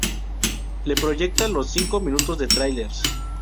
Le proyecta los cinco minutos de tráilers.